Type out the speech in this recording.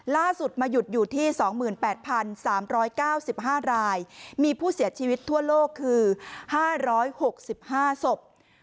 ล่าสุดมาหยุดอยู่ที่๒๘๓๙๕รายมีผู้เสียชีวิตทั่วโลกคือ๕๖๕ศพ